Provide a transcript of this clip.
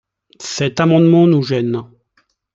Cet amendement nous gêne.